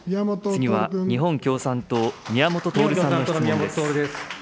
次は日本共産党、宮本徹さんの質問です。